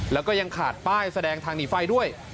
แล้วก็ยังขาดป้ายแสดงทางหนีไฟด้วย